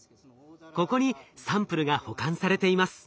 ここにサンプルが保管されています。